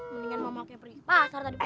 mendingan mama kak pergi pasar tadi mari